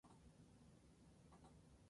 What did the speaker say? El programa se filmó en alta definición.